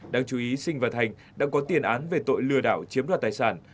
đáng chú ý sinh và thành đã có tiền án về tội lừa đảo chiếm đoạt tài sản